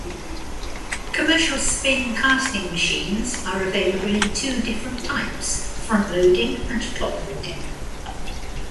Commercial spin casting machines are available in two different types, front-loading and top-loading.